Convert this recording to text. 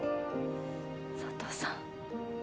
佐都さん。